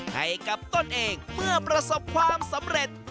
ให้กับต้นเองเมื่อประสบความสำเร็จ